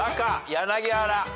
柳原。